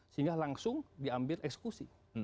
sehingga langsung diambil eksekusi